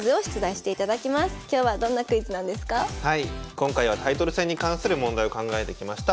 今回はタイトル戦に関する問題を考えてきました。